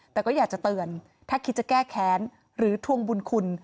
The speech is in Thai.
แต่ก็อยากจะเตือนถ้าคิดจะแก้แค้นหรือทวงบุญคุณ